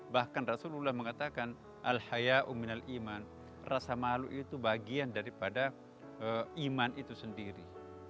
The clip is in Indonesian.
bahkan rasulullah mengatakan al hayau ⁇ minal iman rasa malu itu bagian daripada iman itu sendiri